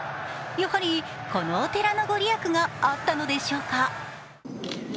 やはり、このお寺の御利益があったのでしょうか。